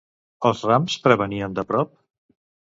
Els rams prevenien de prop?